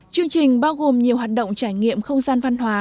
chương trình bao gồm nhiều hoạt động trải nghiệm không gian văn hóa